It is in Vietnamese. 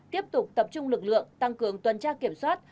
tiếp tục tập trung lực lượng tăng cường tuần tra kiểm soát